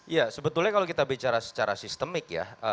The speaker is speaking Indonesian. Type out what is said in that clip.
ya sebetulnya kalau kita bicara secara sistemik ya